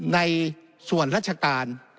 ในส่วนราชการ